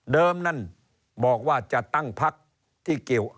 นั่นบอกว่าจะตั้งพักที่เกี่ยว